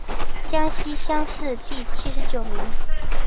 江西乡试第七十九名。